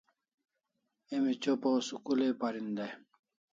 Emi chopa o school ai parin dai